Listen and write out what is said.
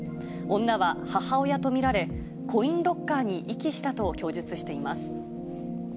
女は母親と見られ、コインロッカーに遺棄したと供述しています。